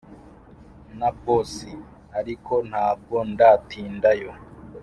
na boss ariko ntabwo ndatindayo,